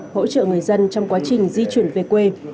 hỗ trợ người dân trong quá trình di chuyển về quê